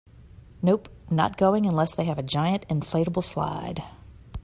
Nope, not going unless they have a giant inflatable slide.